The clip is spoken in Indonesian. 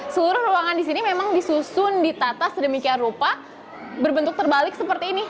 seluruh ruangan di sini memang disusun ditata sedemikian rupa berbentuk terbalik seperti ini